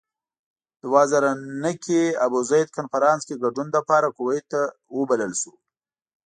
دوه زره نهه کې ابوزید کنفرانس کې ګډون لپاره کویت ته وبلل شو.